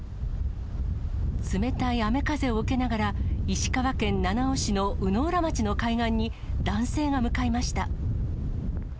冷たい雨風を受けながら、石川県七尾市の鵜浦町の海岸に、男性が向かいました。